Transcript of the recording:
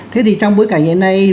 thế thì trong bối cảnh hiện nay